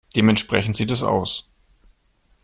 Dementsprechend sieht es aus.